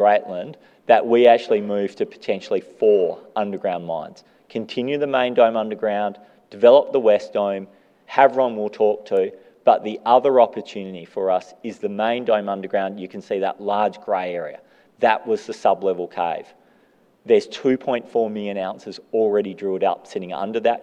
Rare Earth, that we actually move to potentially four underground mines. Continue the Main Dome Underground, develop the West Dome. Havieron, we'll talk to, the other opportunity for us is the Main Dome Underground. You can see that large gray area. That was the sub-level cave. There's 2.4 million ounces already drilled out sitting under that.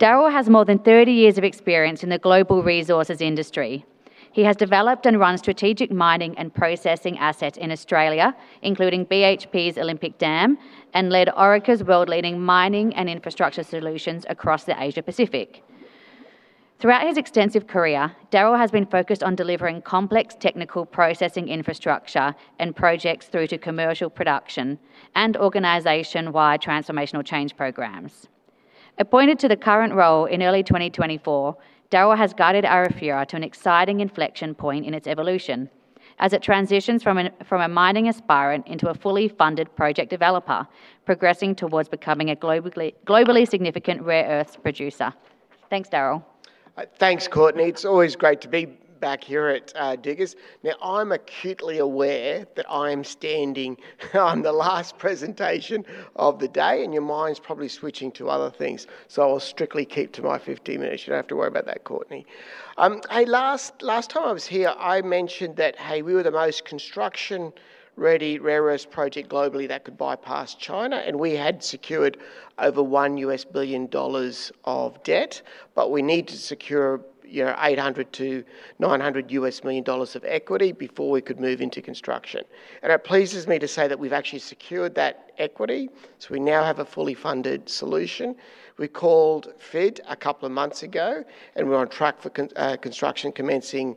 Darryl has more than 30 years of experience in the global resources industry. He has developed and run strategic mining and processing assets in Australia, including BHP's Olympic Dam, and led Orica's world-leading mining and infrastructure solutions across the Asia-Pacific. Throughout his extensive career, Darryl has been focused on delivering complex technical processing infrastructure and projects through to commercial production, and organization-wide transformational change programs. Appointed to the current role in early 2024, Darryl has guided Arafura to an exciting inflection point in its evolution as it transitions from a mining aspirant into a fully funded project developer, progressing towards becoming a globally significant rare earths producer. Thanks, Darryl. Thanks, Courtney. It's always great to be back here at Diggers. I'm acutely aware that I'm standing on the last presentation of the day, your mind's probably switching to other things, I'll strictly keep to my 15 minutes. You don't have to worry about that, Courtney. Last time I was here, I mentioned that, hey, we were the most construction-ready rare earths project globally that could bypass China, we had secured over $1 billion of debt. We need to secure $800 million-$900 million of equity before we could move into construction. It pleases me to say that we've actually secured that equity. We now have a fully funded solution. We called FID a couple of months ago, we're on track for construction commencing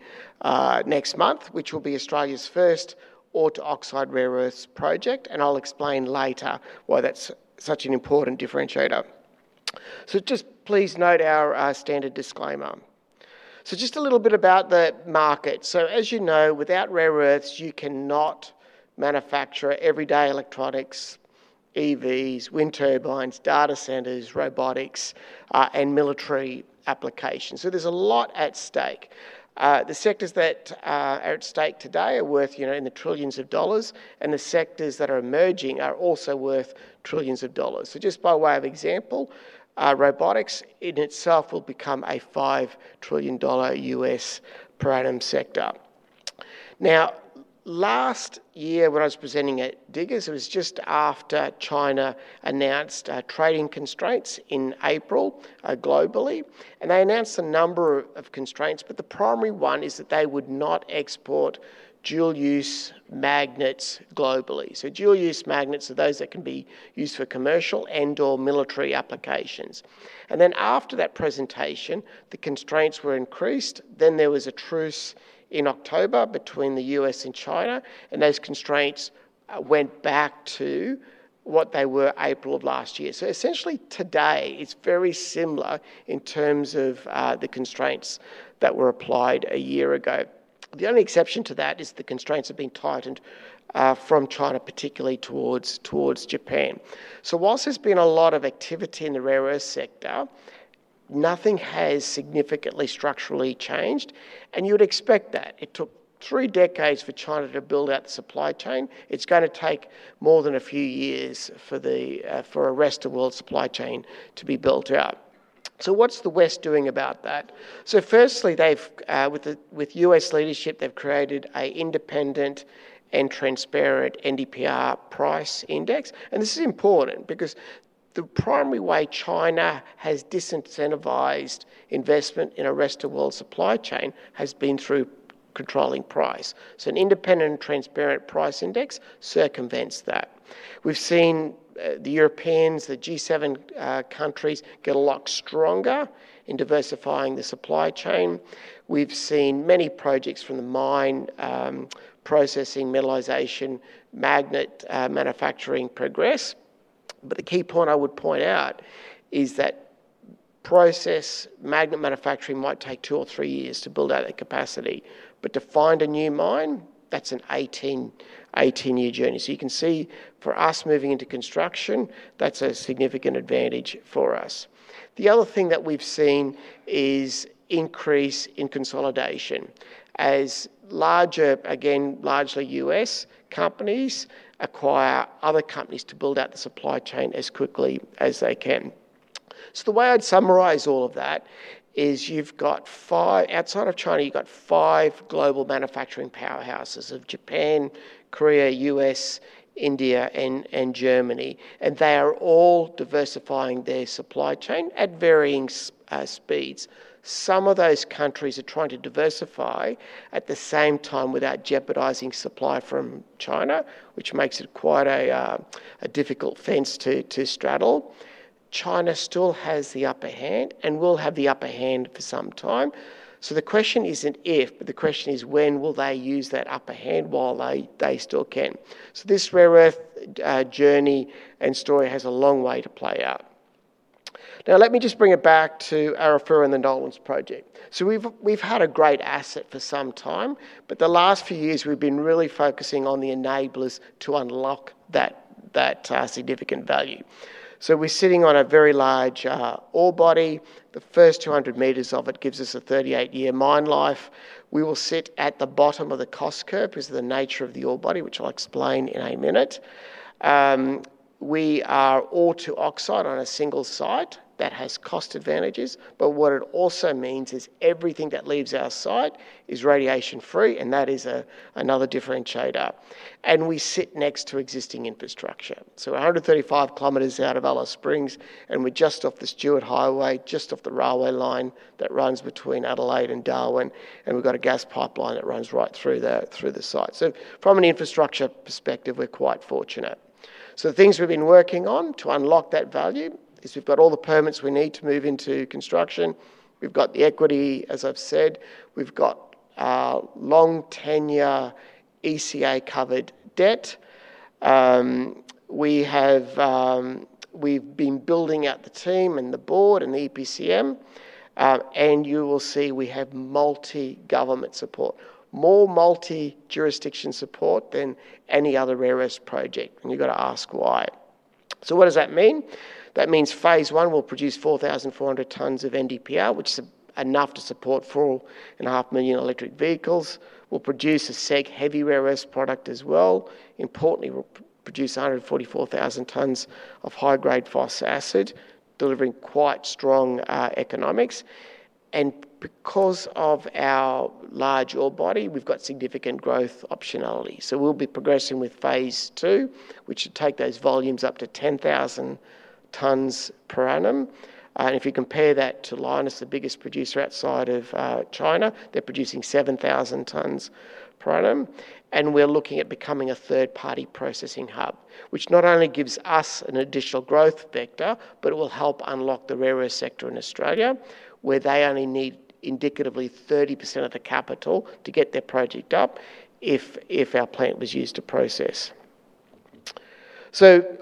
next month, which will be Australia's first ore-to-oxide rare earths project, I'll explain later why that's such an important differentiator. Please note our standard disclaimer. Just a little bit about the market. As you know, without rare earths, you cannot manufacture everyday electronics, EVs, wind turbines, data centers, robotics, and military applications. There's a lot at stake. The sectors that are at stake today are worth in the trillions of dollars, and the sectors that are emerging are also worth trillions of dollars. Just by way of example, robotics in itself will become a $5 trillion U.S. per annum sector. Last year when I was presenting at Diggers & Dealers Mining Forum, it was just after China announced trading constraints in April, globally, and they announced a number of constraints, but the primary one is that they would not export dual-use magnets globally. Dual-use magnets are those that can be used for commercial and/or military applications. After that presentation, the constraints were increased. There was a truce in October between the U.S. and China, and those constraints went back to what they were April of last year. Essentially today, it's very similar in terms of the constraints that were applied a year ago. The only exception to that is the constraints have been tightened from China, particularly towards Japan. Whilst there's been a lot of activity in the rare earth sector, nothing has significantly structurally changed, and you would expect that. It took three decades for China to build out the supply chain. It's going to take more than a few years for a rest-of-world supply chain to be built out. What's the West doing about that? Firstly, with U.S. leadership, they've created an independent and transparent NdPr price index. This is important, because the primary way China has disincentivized investment in a rest-of-world supply chain has been through controlling price. An independent and transparent price index circumvents that. We've seen the Europeans, the G7 countries, get a lot stronger in diversifying the supply chain. We've seen many projects from the mine, processing, metallization, magnet manufacturing progress. The key point I would point out is that process magnet manufacturing might take two or three years to build out that capacity. To find a new mine, that's an 18-year journey. You can see for us moving into construction, that's a significant advantage for us. The other thing that we've seen is increase in consolidation as larger, again, largely U.S. companies acquire other companies to build out the supply chain as quickly as they can. The way I'd summarize all of that is you've got, outside of China, you've got five global manufacturing powerhouses of Japan, Korea, U.S., India, and Germany. They are all diversifying their supply chain at varying speeds. Some of those countries are trying to diversify at the same time without jeopardizing supply from China, which makes it quite a difficult fence to straddle. China still has the upper hand and will have the upper hand for some time. The question isn't if, but the question is when will they use that upper hand while they still can? This rare earth journey and story has a long way to play out. Let me just bring it back to Arafura and the Nolans Project. We've had a great asset for some time, but the last few years, we've been really focusing on the enablers to unlock that significant value. We're sitting on a very large ore body. The first 200 m of it gives us a 38-year mine life. We will sit at the bottom of the cost curve, is the nature of the ore body, which I'll explain in a minute. We are ore to oxide on a single site. That has cost advantages, but what it also means is everything that leaves our site is radiation-free, and that is another differentiator. We sit next to existing infrastructure. 135 km out of Alice Springs, and we're just off the Stuart Highway, just off the railway line that runs between Adelaide and Darwin, and we've got a gas pipeline that runs right through the site. From an infrastructure perspective, we're quite fortunate. The things we've been working on to unlock that value is we've got all the permits we need to move into construction. We've got the equity, as I've said. We've got long tenure ECA-covered debt. We've been building out the team and the board and the EPCM. You will see we have multi-government support, more multi-jurisdiction support than any other rare earth project, and you've got to ask why. What does that mean? That means phase I will produce 4,400 tons of NdPr, which is enough to support 4.5 million electric vehicles. We'll produce a seg heavy rare earth product as well. Importantly, we'll produce 144,000 tons of high-grade phosphoric acid, delivering quite strong economics. Because of our large ore body, we've got significant growth optionality. We'll be progressing with phase II, which should take those volumes up to 10,000 tons per annum. If you compare that to Lynas, the biggest producer outside of China, they're producing 7,000 tons per annum. We're looking at becoming a third-party processing hub, which not only gives us an additional growth vector, but it will help unlock the rare earth sector in Australia, where they only need indicatively 30% of the capital to get their project up if our plant was used to process.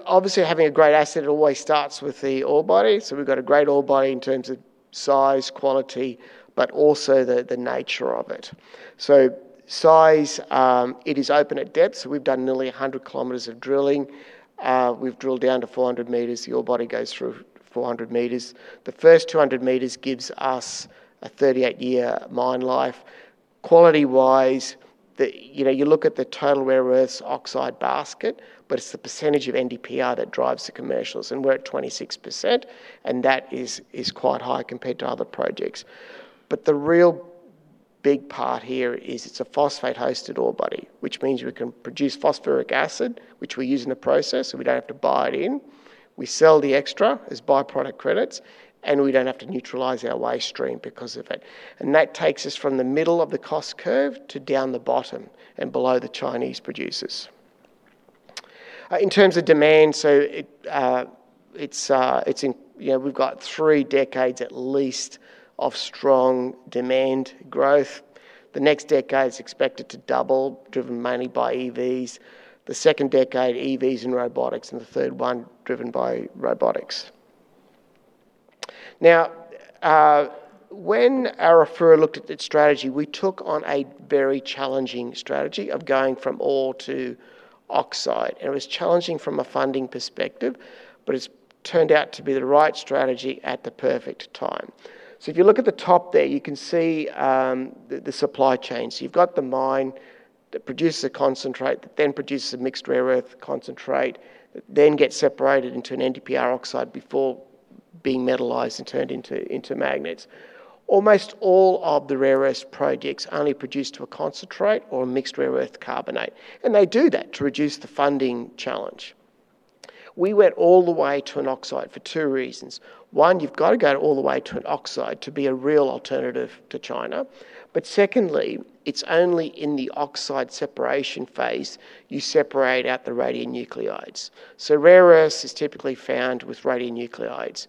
Obviously having a great asset always starts with the ore body. We've got a great ore body in terms of size, quality, but also the nature of it. Size, it is open at depth. We've done nearly 100 km of drilling. We've drilled down to 400 m. The ore body goes through 400 m. The first 200 m gives us a 38-year mine life. Quality-wise, you look at the total rare earths oxide basket, but it's the percentage of NdPr that drives the commercials, and we're at 26%, and that is quite high compared to other projects. The real big part here is it's a phosphate-hosted ore body, which means we can produce phosphoric acid, which we use in the process, so we don't have to buy it in. We sell the extra as byproduct credits, and we don't have to neutralize our waste stream because of it. That takes us from the middle of the cost curve to down the bottom and below the Chinese producers. In terms of demand, we've got three decades at least of strong demand growth. The next decade's expected to double, driven mainly by EVs. The second decade, EVs and robotics. The third one, driven by robotics. When Arafura looked at its strategy, we took on a very challenging strategy of going from ore to oxide. It was challenging from a funding perspective, but it's turned out to be the right strategy at the perfect time. If you look at the top there, you can see the supply chain. You've got the mine that produces a concentrate, that then produces a mixed rare earth concentrate, that then gets separated into an NdPr oxide before being metallized and turned into magnets. Almost all of the rare earths projects only produce to a concentrate or a mixed rare earth carbonate, and they do that to reduce the funding challenge. We went all the way to an oxide for two reasons. One, you've got to go all the way to an oxide to be a real alternative to China. Secondly, it's only in the oxide separation phase, you separate out the radionuclides. Rare earths is typically found with radionuclides.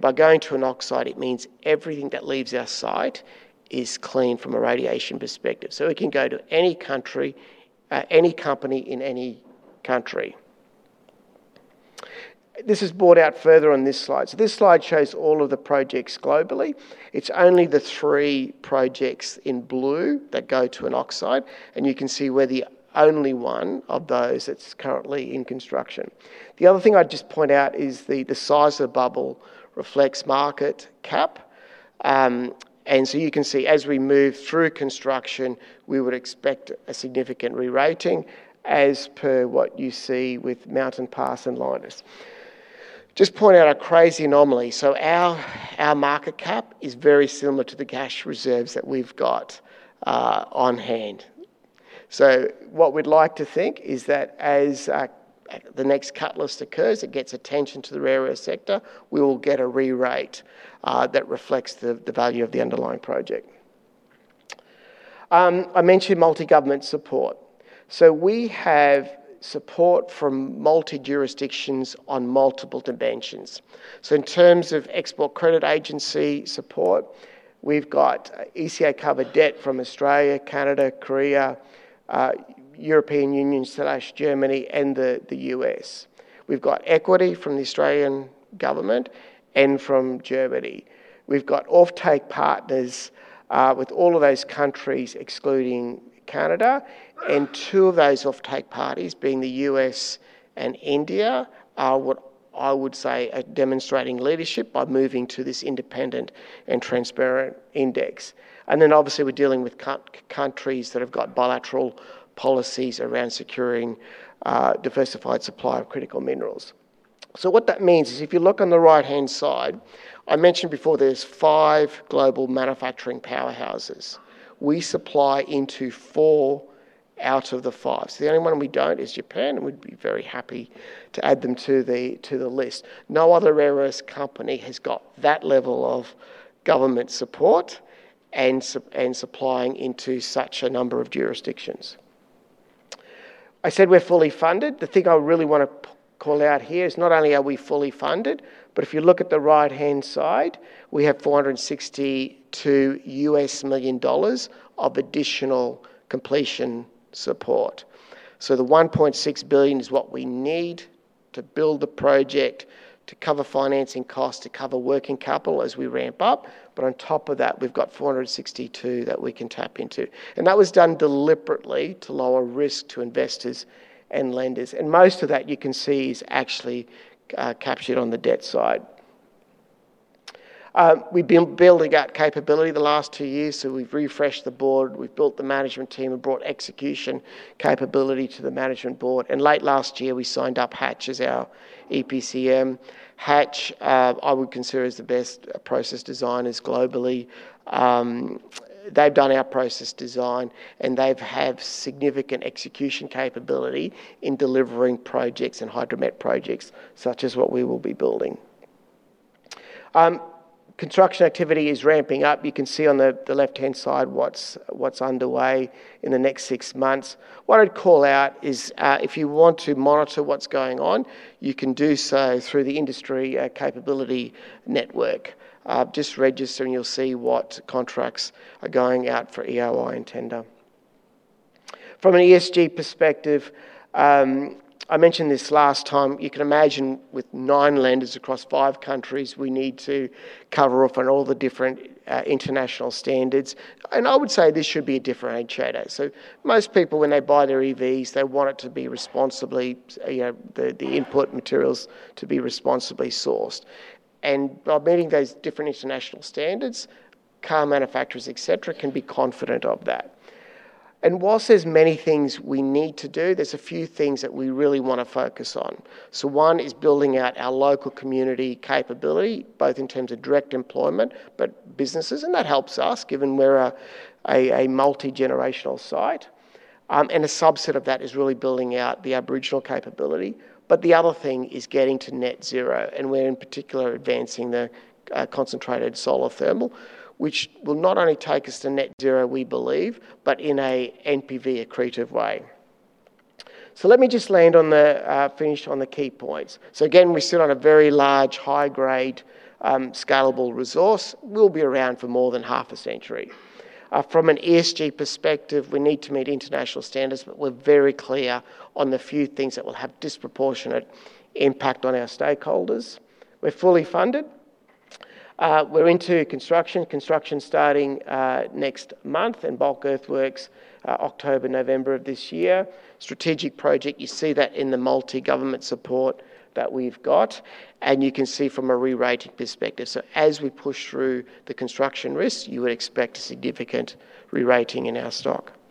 By going to an oxide, it means everything that leaves our site is clean from a radiation perspective. It can go to any company in any country. This is brought out further on this slide. This slide shows all of the projects globally. It's only the three projects in blue that go to an oxide, and you can see we're the only one of those that's currently in construction. The other thing I'd just point out is the size of the bubble reflects market cap. You can see as we move through construction, we would expect a significant re-rating as per what you see with Mountain Pass and Lynas. Just point out a crazy anomaly. Our market cap is very similar to the cash reserves that we've got on-hand. What we'd like to think is that as the next catalyst occurs, it gets attention to the rare earths sector, we will get a re-rate that reflects the value of the underlying project. I mentioned multi-government support. We have support from multi-jurisdictions on multiple dimensions. In terms of export credit agency support, we've got ECA-covered debt from Australia, Canada, Korea, European Union/Germany, and the U.S. We've got equity from the Australian government and from Germany. We've got offtake partners with all of those countries, excluding Canada, and two of those offtake parties, being the U.S. and India, are what I would say are demonstrating leadership by moving to this independent and transparent index. Obviously, we're dealing with countries that have got bilateral policies around securing diversified supply of critical minerals. What that means is if you look on the right-hand side, I mentioned before there's five global manufacturing powerhouses. We supply into four out of the five. The only one we don't is Japan, and we'd be very happy to add them to the list. No other rare earths company has got that level of government support and supplying into such a number of jurisdictions. I said we're fully funded. The thing I really want to call out here is not only are we fully funded, but if you look at the right-hand side, we have $462 million of additional completion support. The $1.6 billion is what we need to build the project to cover financing costs, to cover working capital as we ramp up. On top of that, we've got $462 that we can tap into. That was done deliberately to lower risk to investors and lenders. Most of that you can see is actually captured on the debt side. We've been building out capability the last two years. We've refreshed the board, we've built the management team and brought execution capability to the management board. Late last year, we signed up Hatch as our EPCM. Hatch, I would consider, is the best process designers globally. They've done our process design, and they have significant execution capability in delivering projects and hydromet projects such as what we will be building. Construction activity is ramping up. You can see on the left-hand side what's underway in the next six months. What I'd call out is, if you want to monitor what's going on, you can do so through the Industry Capability Network. Just register and you'll see what contracts are going out for EOI and tender. From an ESG perspective, I mentioned this last time, you can imagine with nine lenders across five countries, we need to cover off on all the different international standards. I would say this should be a differentiator. Most people, when they buy their EVs, they want the input materials to be responsibly sourced. By meeting those different international standards, car manufacturers, et cetera, can be confident of that. Whilst there's many things we need to do, there's a few things that we really want to focus on. One is building out our local community capability, both in terms of direct employment, but businesses, and that helps us given we're a multi-generational site. A subset of that is really building out the Aboriginal capability. The other thing is getting to net zero, and we're in particular advancing the concentrated solar thermal, which will not only take us to net zero, we believe, but in a NPV-accretive way. Let me just finish on the key points. Again, we sit on a very large, high-grade, scalable resource. We'll be around for more than half a century. From an ESG perspective, we need to meet international standards, but we're very clear on the few things that will have disproportionate impact on our stakeholders. We're fully funded. We're into construction. Construction starting next month, and bulk earthworks October, November of this year. Strategic project, you see that in the multi-government support that we've got, you can see from a re-rating perspective. As we push through the construction risks, you would expect a significant re-rating in our stock. Thank you